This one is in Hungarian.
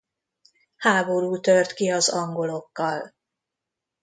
Háború tört ki az angolokkal.